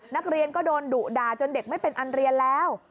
นักเรียนก็โดนดุด่าจนเด็กไม่เป็นอันเรียนแล้ว